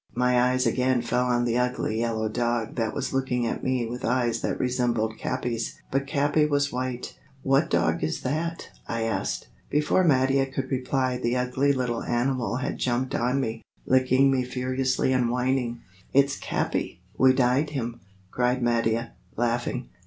My eyes again fell on the ugly yellow dog that was looking at me with eyes that resembled Capi's. But Capi was white.... "What dog is that?" I asked. Before Mattia could reply the ugly little animal had jumped on me, licking me furiously and whining. "It's Capi; we dyed him!" cried Mattia, laughing.